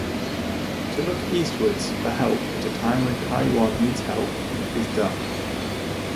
To look Eastwards for help at a time when Taiwan needs help, is dumb